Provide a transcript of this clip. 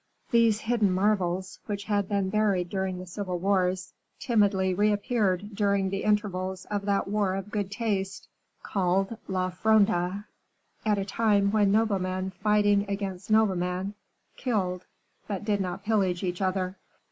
These hidden marvels, which had been buried during the civil wars, timidly reappeared during the intervals of that war of good taste called La Fronde; at a time when noblemen fighting against nobleman killed, but did not pillage each other.